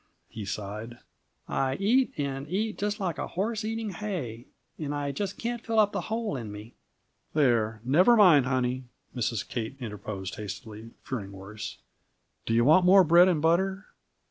he sighed. "I eat and eat, just like a horse eating hay, and I just can't fill up the hole in me." "There, never mind, honey," Mrs. Kate interposed hastily, fearing worse. "Do you want more bread and butter?"